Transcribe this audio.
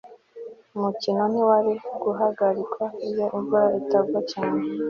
umukino ntiwari guhagarikwa iyo imvura itagwa cyane